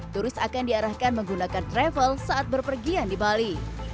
turus akan diarahkan menggunakan travel saat berpergian di bali